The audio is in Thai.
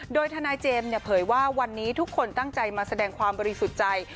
โดยทนายเจมส์เผยว่าวันนี้ทุกคนตั้งใจมาแสดงความบริสุทธิ์ใจ